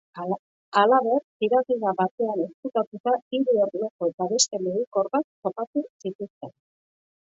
Halaber, tiradera batean ezkutatuta hiru erloju eta beste mugikor bat topatu zituzten.